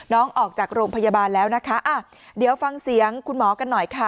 ออกจากโรงพยาบาลแล้วนะคะอ่ะเดี๋ยวฟังเสียงคุณหมอกันหน่อยค่ะ